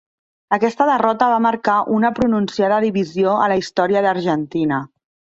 Aquesta derrota va marcar una pronunciada divisió a la història d'Argentina.